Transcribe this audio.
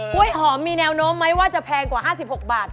หอมมีแนวโน้มไหมว่าจะแพงกว่า๕๖บาท